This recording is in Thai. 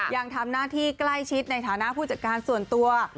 ยังทำหน้าที่ใกล้ชิดในฐานะผู้จัดการส่วนตัว